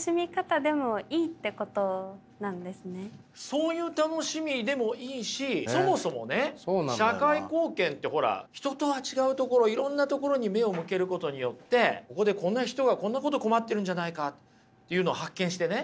そういう楽しみでもいいしそもそもね社会貢献ってほら人とは違うところいろんなところに目を向けることによってここでこんな人がこんなことを困ってるんじゃないかっていうのを発見してね